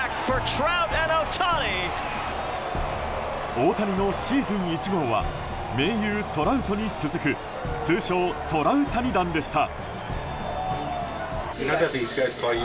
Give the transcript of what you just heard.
大谷のシーズン１号は盟友トラウトに続く通称トラウタニ弾でした。